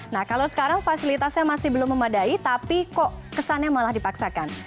nah kalau sekarang fasilitasnya masih belum memadai tapi kok kesannya malah dipaksakan